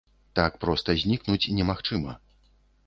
Так проста знікнуць немагчыма.